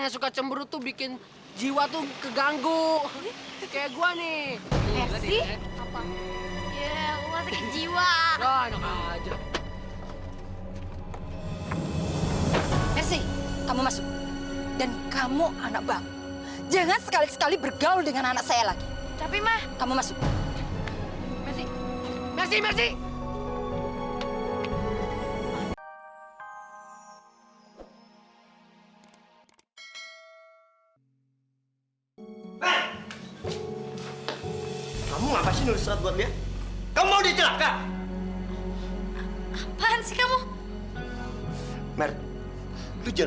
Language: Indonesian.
sampai jumpa di video selanjutnya